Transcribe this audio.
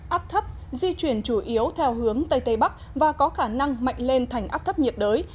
áp thấp di chuyển chủ yếu theo hướng tây tây bắc và có khả năng mạnh lên thành áp thấp nhiệt đới